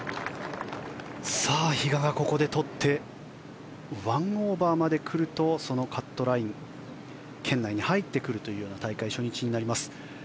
比嘉がここでとって１オーバーまで来るとカットライン圏内に入ってくるという大会初日になります。